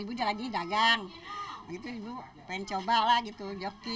ibu udah lagi dagang begitu ibu pengen coba lah gitu joki